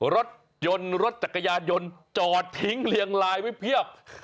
รถยนต์รถจักรยานยนต์จอดทิ้งเรียงลายไว้เพียบ